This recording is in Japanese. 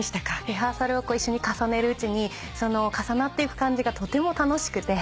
リハーサルを一緒に重ねるうちにその重なっていく感じがとても楽しくて。